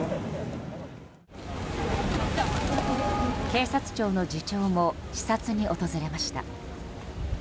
警察庁の次長も視察に訪れました。